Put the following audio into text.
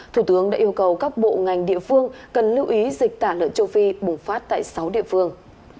thủ tướng đã yêu cầu các bộ ngành địa phương cần lưu ý dịch tả lợn châu phi bùng phát tại sáu địa phương